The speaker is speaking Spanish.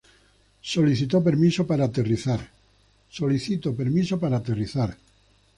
Solicito permiso para aterrizar.